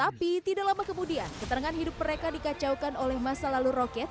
tapi tidak lama kemudian keterangan hidup mereka dikacaukan oleh masa lalu roket